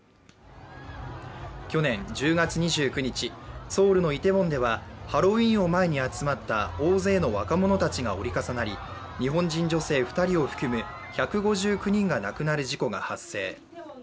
去年１０月２９日、ソウルのイテウォンではハロウィーンを前に集まった大勢の若者たちが折り重なり日本人女性２人を含む１５９人が亡くなる事故が発生。